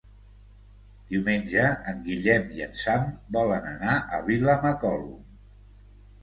Diumenge en Guillem i en Sam volen anar a Vilamacolum.